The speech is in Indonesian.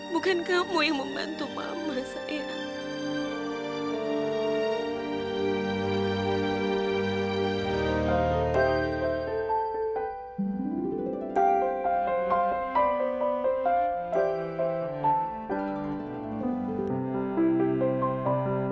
bukan kamu yang membantu mama sayang